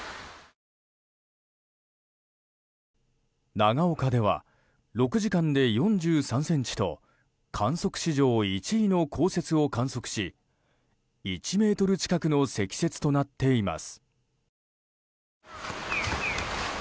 長岡では６時間で３９ｃｍと観測史上１位の降雪を観測し１ｍ近くの積雪となっています。